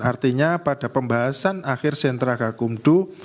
artinya pada pembahasan akhir sentra gakumdu